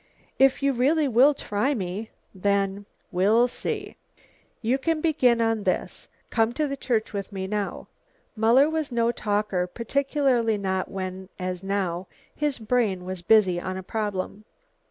"If you really will try me, then " "We'll see. You can begin on this. Come to the church with me now." Muller was no talker, particularly not when, as now, his brain was busy on a problem.